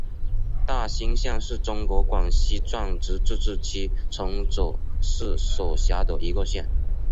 大新县是中国广西壮族自治区崇左市所辖的一个县。